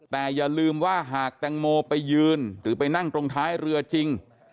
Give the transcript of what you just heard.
แต่อย่าลืมว่าหากแตงโมไปยืนหรือไปนั่งตรงท้ายเรือจริง